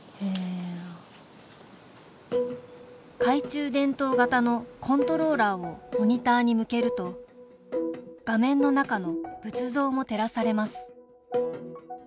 懐中電灯型のコントローラーをモニターに向けると画面の中の仏像も照らされます